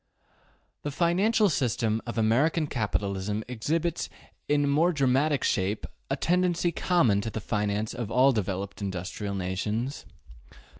The financial economy of American capitalism exhibits in more dramatic shape a tendency common to the finance of all developed industrial nations.